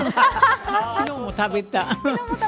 昨日も食べた。